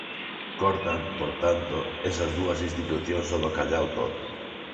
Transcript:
Cortan, por tanto, esas dúas institucións o bacallau todo.